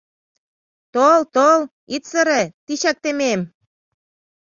Тол, тол, ит сыре, тичак темем.